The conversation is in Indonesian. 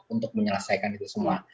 untuk menyelesaikan itu semua